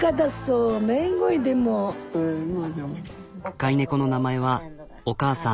飼い猫の名前はおかあさん。